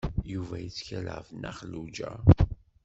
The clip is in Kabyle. Yuba yettkal ɣef Nna Xelluǧa.